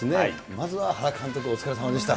まずは原監督、お疲れさまでした。